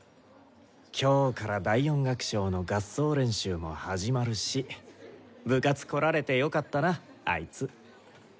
今日から第４楽章の合奏練習も始まるし部活来られてよかったなあいつ。